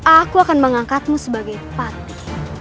aku akan mengangkatmu sebagai pati